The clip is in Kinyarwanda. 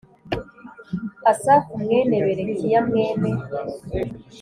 Asafu mwene berekiya mwene